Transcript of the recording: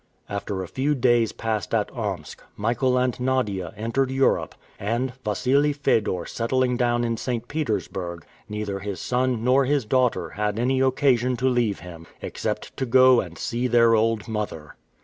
After a few days passed at Omsk, Michael and Nadia entered Europe, and, Wassili Fedor settling down in St. Petersburg, neither his son nor his daughter had any occasion to leave him, except to go and see their old mother.